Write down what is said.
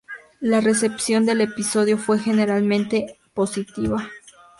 La recepción del episodio fue generalmente positiva.